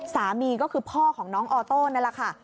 สามีก็คือพ่อของน้องออโต้นั่นแหละค่ะ